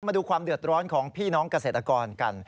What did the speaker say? มาดูความเดือดร้อนของพี่น้องเกษตรกรกัน